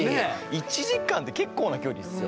１時間って結構な距離ですよ？